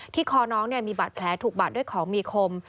คอน้องมีบาดแผลถูกบาดด้วยของมีคม